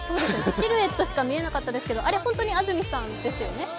シルエットしか見えなかったですけどあれ、本当に安住さんですよね？